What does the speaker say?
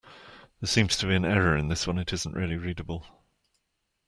We are opening the a new location at ten eighty-seven Oak Street.